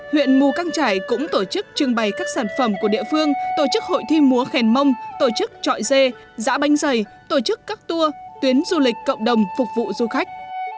huyện mù căng trải cũng tổ chức trưng bày các sản phẩm của địa phương tổ chức hội thi múa khèn mông tổ chức trọi dê giã banh dày tổ chức các tour tuyến du lịch cộng đồng phục vụ du khách